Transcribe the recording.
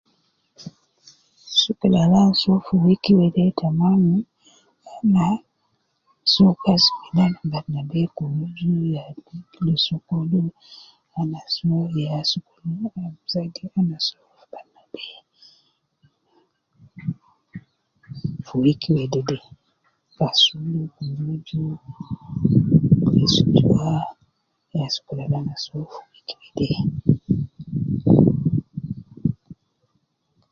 Sokol al ana so fi week wede tamam ana so kazi ta batna be, kuruju, leesu juwa. Zayidi ana so ta batna be fi week wede. Leesu juwa, kuruju, ta batna be ya ana so fi week wede.